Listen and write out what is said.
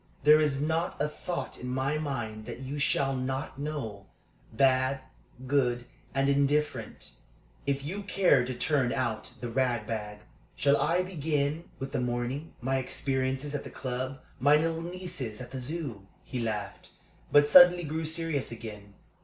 There is not a thought in my mind that you shall not know bad, good, and indifferent if you care to turn out the rag bag. Shall I begin with the morning my experiences at the club, my little nieces at the Zoo?" He laughed, but suddenly grew serious again.